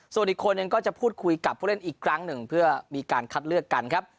ส่วนอีกคนหนึ่งก็จะพูดคุยกับผู้เล่นอีกครั้งหนึ่งเพื่อมีการคัดเลือกกันครับ